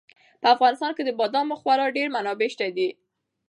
په افغانستان کې د بادامو خورا ډېرې منابع شته دي.